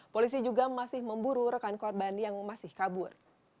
polisi juga masih memburu rekan korban yang masih kabur